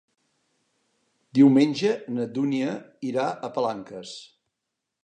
Diumenge na Dúnia irà a Palanques.